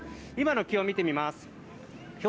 今の気温を見てみます。